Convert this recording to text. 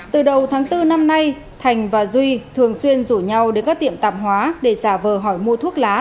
từ đầu tháng bốn năm nay thành và duy thường xuyên rủ nhau đến các tiệm tạp hóa để giả vờ hỏi mua thuốc lá